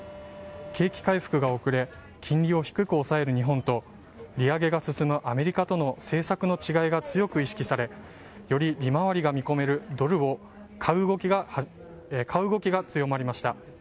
景気回復が遅れ金利を低く抑える日本と利上げが進むアメリカとの政策の違いが強く意識されより利回りが見込めるドルを買う動きが強まりました。